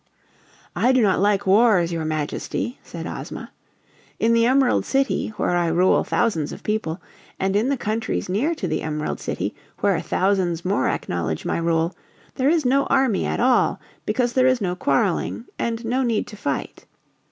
"I do not like wars, your Majesty," said Ozma. "In the Emerald City, where I rule thousands of people, and in the countries near to the Emerald City, where thousands more acknowledge my rule, there is no army at all, because there is no quarreling and no need to fight.